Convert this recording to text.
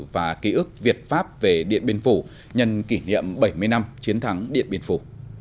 và ký ức việt pháp về điện biên phủ nhân kỷ niệm bảy mươi năm chiến thắng điện biên phủ